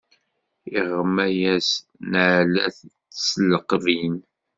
Iɣma-yaɣ s nneɛlat d tesleqbin.